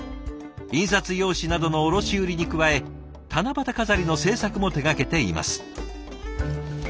印刷用紙などの卸売りに加え七夕飾りの制作も手がけています。